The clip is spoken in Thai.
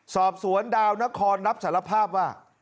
สอบสวรรค์ด้านร่มนครรับสารภาพว่า